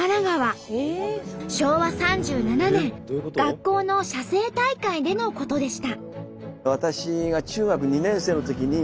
昭和３７年学校の写生大会でのことでした。